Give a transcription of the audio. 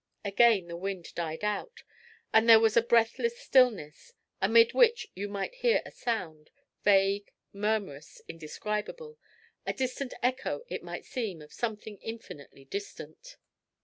Again the wind died out, and there was a breathless stillness, amid which you might hear a sound—vague, murmurous, indescribable—a distant echo it might seem of something infinitely distant.